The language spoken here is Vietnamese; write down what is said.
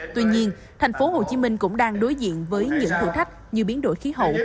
tuy nhiên tp hcm cũng đang đối diện với những thử thách như biến đổi khí hậu